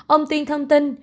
ông tuyên thông tin